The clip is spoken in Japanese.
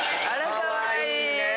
かわいいね。